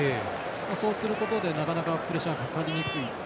そうすることでプレッシャーがかかりにくい。